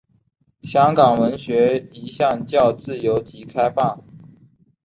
香港文学一向较自由及开放。